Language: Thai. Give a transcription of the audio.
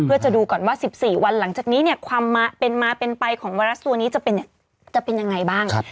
เพื่อจะดูก่อนว่า๑๔วันหลังจากนี้เนี่ยความเป็นมาเป็นไปของไวรัสตัวนี้จะเป็นยังไงบ้าง